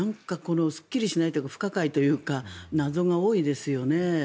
すっきりしないというか不可解というか謎が多いですよね。